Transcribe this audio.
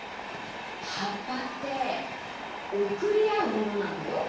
はっぱっておくりあうものなんだよ！